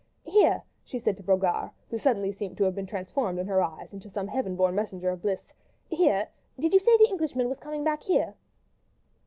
"Here!" she said to Brogard, who seemed suddenly to have been transformed in her eyes into some heaven born messenger of bliss. "Here!—did you say the English gentleman was coming back here?"